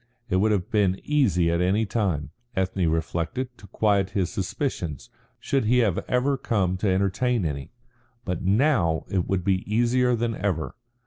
It would have been easy at any time, Ethne reflected, to quiet his suspicions, should he have ever come to entertain any. But now it would be easier than ever.